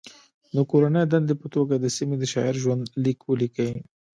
د کورنۍ دندې په توګه د سیمې د شاعر ژوند لیک ولیکئ.